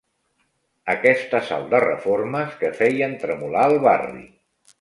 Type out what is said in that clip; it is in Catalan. Aquest assalt de reformes que feien tremolar el barri.